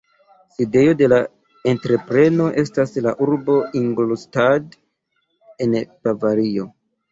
Sidejo de la entrepreno estas la urbo Ingolstadt en Bavario.